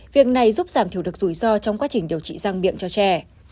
việc này giúp giảm thiểu được rủi ro trong quá trình điều trị răng miệng cho trẻ